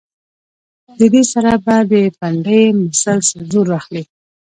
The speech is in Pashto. د دې سره به د پنډۍ مسلز زور اخلي